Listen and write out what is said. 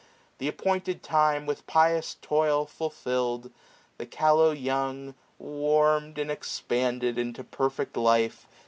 Th* appointed time With pious toil fulfilled, the callow young, Warm*d and expanded into perfect life.